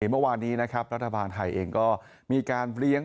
เห็นมากว่านี้นะครับรรภาพธรรมไทยเองก็มีการเลี้ยง